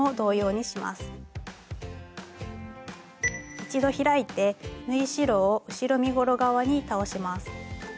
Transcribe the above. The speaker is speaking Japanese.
一度開いて縫い代を後ろ身ごろ側に倒します。